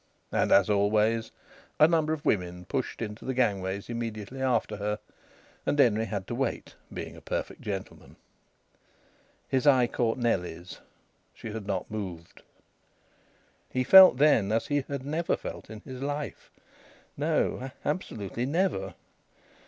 And, as always, a number of women pushed into the gangways immediately after her, and Denry had to wait, being a perfect gentleman. His eye caught Nellie's. She had not moved. He felt then as he had never felt in his life. No, absolutely never.